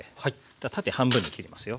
縦半分に切りますよ。